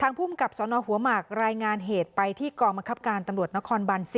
ภูมิกับสนหัวหมากรายงานเหตุไปที่กองบังคับการตำรวจนครบัน๔